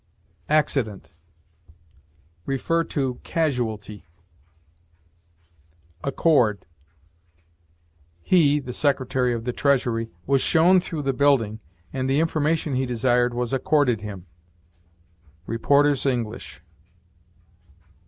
ACCIDENT. See CASUALTY. ACCORD. "He [the Secretary of the Treasury] was shown through the building, and the information he desired was accorded him." Reporters' English.